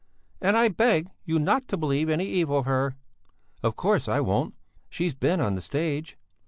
"And I beg you not to believe any evil of her...." "Of course I won't! She's been on the stage...."